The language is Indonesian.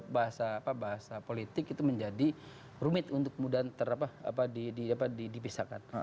bahasa apa bahasa politik itu menjadi rumit untuk kemudian terapa apa di apa di dipisahkan